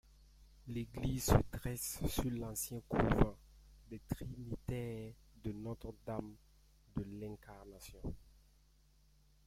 L'église se dresse sur l'ancien couvent des trinitaires de Notre-Dame de l'Incarnation.